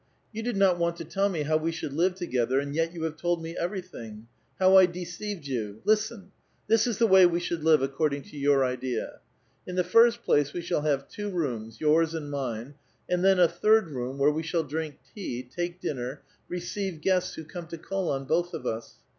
You did not want to tell me how we should live ft 122 A VITAL QUESTION. together, aud yet you have told me everything I How. I de ceived you 1 Lis to u : tliis is the way we should live accord ing to your idea. In the lirst place, we shall have two rooms, yours and mine, and theu a third room where we shall drink tea, take dinner, receive guests who come to call on both of us